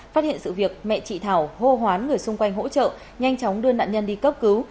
phát hiện sự việc mẹ chị thảo hô hoán người xung quanh hỗ trợ nhanh chóng đưa nạn nhân đi cấp cứu